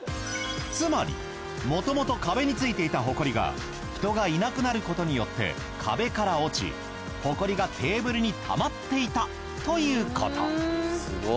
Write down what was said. つまりもともと壁についていたホコリが人がいなくなることによって壁から落ちホコリがテーブルにたまっていたということ。